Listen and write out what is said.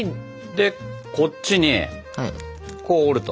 でこっちにこう折ると。